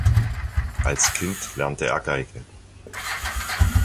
Als Kind lernte er Geige.